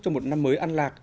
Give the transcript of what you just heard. cho một năm mới an lạc